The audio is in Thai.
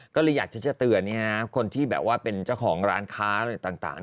ก็เลยอยากจะเตือนคนที่แบบว่าเป็นเจ้าของร้านค้าอะไรต่าง